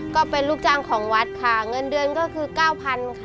ก็เป็นลูกจ้างของวัดค่ะเงินเดือนก็คือ๙๐๐ค่ะ